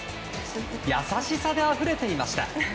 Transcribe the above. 優しさであふれていました。